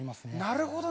なるほど！